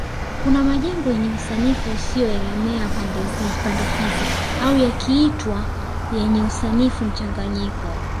kuna majengo yenye usanifu usio elemea pande hizi au yakiitwa yenye usanifu mchanganyiko